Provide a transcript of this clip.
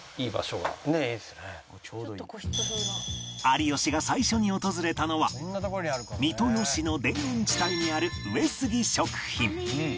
有吉が最初に訪れたのは三豊市の田園地帯にある上杉食品